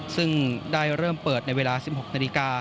ซึ่งได้เริ่มเปิดในเวลา๑๖นาฬิกา